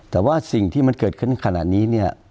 แต่ว่าสิ่งที่มันเกิดขึ้นขนาดนี้เนี่ย